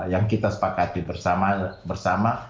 yang kita sepakati bersama